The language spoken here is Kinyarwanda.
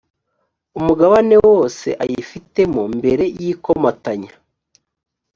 umugabane wose ayifitemo mbere y ikomatanya